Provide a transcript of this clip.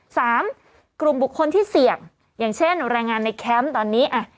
สามกลุ่มบุคคลที่เสี่ยงอย่างเช่นแรงงานในแคมป์ตอนนี้อ่ะ